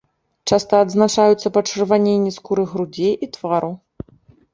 Часта адзначаюцца пачырваненні скуры грудзей і твару.